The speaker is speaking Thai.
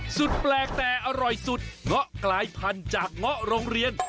สุดแปลกแต่อร่อยสุดเงาะกลายพันธุ์จากเงาะโรงเรียน